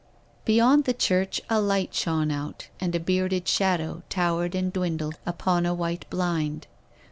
Beyond the church a light shone out, and a bearded shadow towered and dwindled upon a white blind.